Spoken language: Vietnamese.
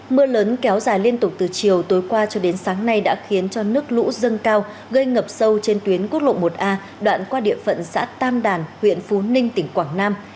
mưa lớn kéo dài liên tục từ chiều tối qua cho đến sáng nay đã khiến cho nước lũ dâng cao gây ngập sâu trên tuyến quốc lộ một a đoạn qua địa phận xã tam đàn huyện phú ninh tỉnh quảng nam